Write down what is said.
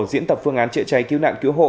diễn tập phương án chữa cháy cứu nạn cứu hộ